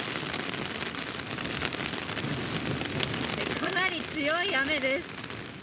かなり強い雨です。